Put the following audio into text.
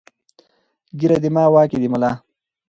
ـ ږيره دما، واک يې د ملا.